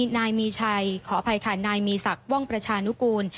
นายมีชัยขออภัยค่ะนายมีศักดิ์ว่องประชานุกูล